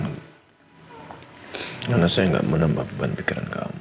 alasan saya gak menambah beban pikiran kamu